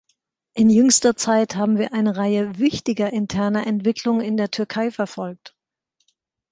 In jüngster Zeit haben wir eine Reihe wichtiger interner Entwicklungen in der Türkei verfolgt.